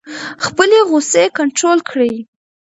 خپلې غصې کنټرول کړئ.